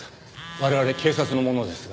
我々警察の者ですが。